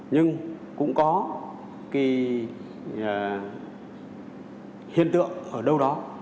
nhưng cũng có hiện tượng ở đâu đó